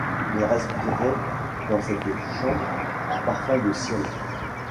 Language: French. Il respirait dans cette chambre un parfum du ciel.